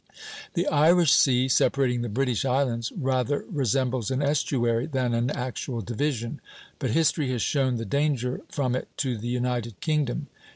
The Irish Sea, separating the British Islands, rather resembles an estuary than an actual division; but history has shown the danger from it to the United Kingdom.